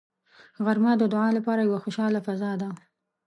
غرمه د دعا لپاره یوه خوشاله فضا ده